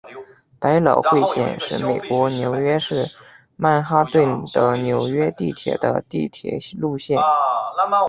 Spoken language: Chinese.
百老汇线是美国纽约市曼哈顿的纽约地铁的地铁路线。